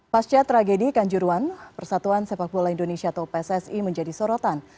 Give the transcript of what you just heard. pasca tragedi kanjuruan persatuan sepak bola indonesia atau pssi menjadi sorotan